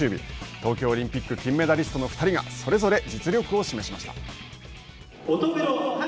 東京オリンピック金メダリストの２人がそれぞれ実力を示しました。